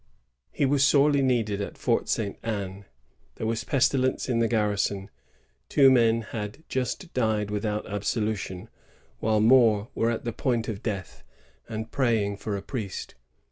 He was sorely needed at Fort St. 'Anne. There was pestilence in the garrison. Two men had just died without absolution, while more were at the point of death, and praying for a priest.